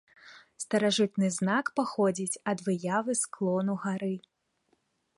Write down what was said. Старажытны знак паходзіць ад выявы склону гары.